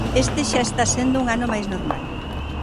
Este xa está sendo un ano máis normal.